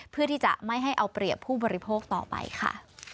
เพื่อที่จะไม่ให้เอาเปรียบผู้บริโภคต่อไปค่ะ